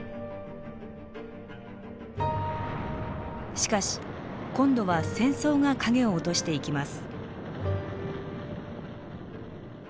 しかし今度は戦争が影を落としていきます。